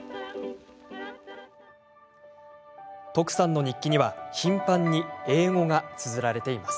徳さんの日記には頻繁に英語がつづられています。